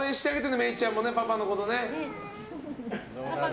芽唯ちゃんもパパのことね。